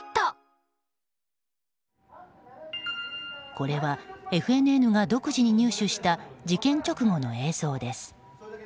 これはＦＮＮが独自に入手した事件直後の映像です。